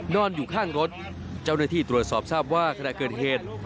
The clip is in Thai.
นอนอยู่ข้างรถเจ้าหน้าที่ตรวจสอบทราบว่าขณะเกิดเหตุ